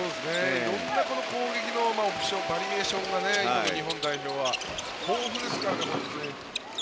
色んな攻撃のオプション、バリエーションが今の日本代表は豊富ですからね。